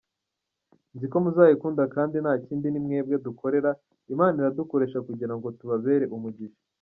Nziko muzayikunda kandi nta kindi ni mwebwe dukorera, Imana iradukoresha kugira ngo tubabere umugisha.